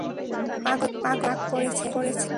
পাগল ছেলে, রাগ করেছে।